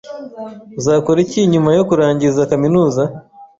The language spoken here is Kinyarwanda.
Uzakora iki nyuma yo kurangiza kaminuza?